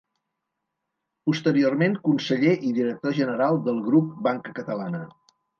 Posteriorment Conseller i Director General del Grup Banca Catalana.